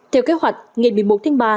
theo kế hoạch ngày một mươi một tháng ba